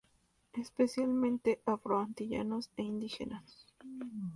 Especialmente afro antillanos e indígenas.